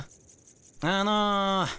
あの。